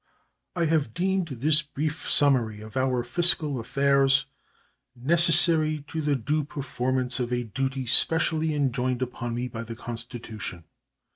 I have deemed this brief summary of our fiscal affairs necessary to the due performance of a duty specially enjoined upon me by the Constitution.